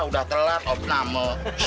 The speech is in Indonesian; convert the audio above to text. udah telat om namo